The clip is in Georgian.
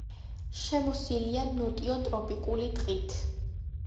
შემოსილია ნოტიო ტროპიკული ტყით.